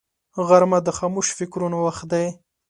غرمه د خاموش فکرونو وخت دی